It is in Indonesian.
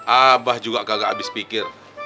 abah juga kagak habis pikir